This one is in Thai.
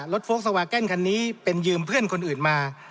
โฟลกสวาแกนคันนี้เป็นยืมเพื่อนคนอื่นมา